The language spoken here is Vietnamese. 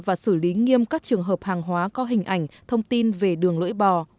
và xử lý nghiêm các trường hợp hàng hóa có hình ảnh thông tin về đường lưỡi bò